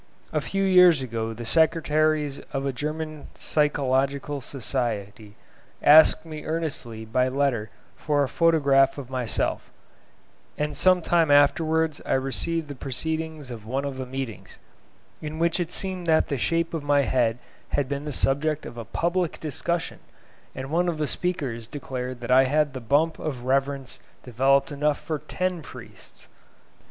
A few years ago the secretaries of a German psychological society asked me earnestly by letter for a photograph of myself; and some time afterwards I received the proceedings of one of the meetings, in which it seemed that the shape of my head had been the subject of a public discussion, and one of the speakers declared that I had the bump of reverence developed enough for ten priests.